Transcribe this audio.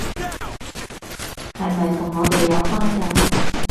係咪同我哋有關㗎？